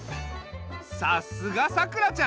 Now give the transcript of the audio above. さすがさくらちゃん。